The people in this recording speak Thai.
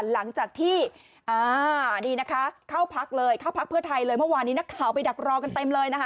หลังจากที่คราวนี้เค้าพักเผื่อไทยเลยเมื่อวานนี้นักข่าวไปดักรอกันเต็มเลยนะคะ